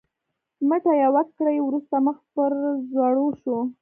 مټې یوه ګړۍ وروسته مخ پر ځوړو شو.